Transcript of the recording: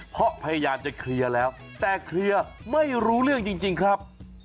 เพราะพยายามจะเคลียร์แล้วแต่เคลียร์ไม่รู้เรื่องจริงครับ